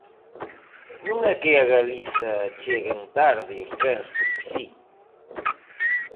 Non é que a Galiza cheguen tarde os trens porque si.